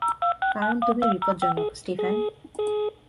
কারণ তুমি বিপদজনক, স্টিফেন।